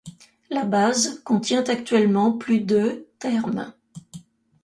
La base contient actuellement plus de termes.